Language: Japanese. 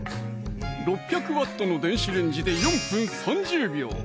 ６００Ｗの電子レンジで４分３０秒